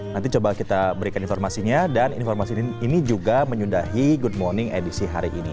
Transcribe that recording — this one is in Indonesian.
nanti coba kita berikan informasinya dan informasi ini juga menyundahi good morning edisi hari ini